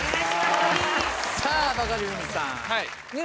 さぁバカリズムさん。